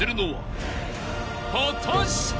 ［果たして？］